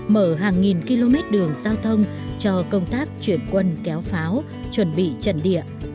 mở hàng nghìn km đường giao thông cho công tác chuyển quân kéo pháo chuẩn bị trận địa